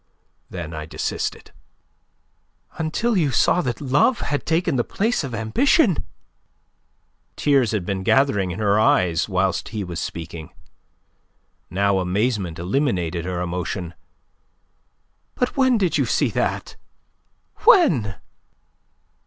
Then I desisted." "Until you saw that love had taken the place of ambition!" Tears had been gathering in her eyes whilst he was speaking. Now amazement eliminated her emotion. "But when did you see that? When?"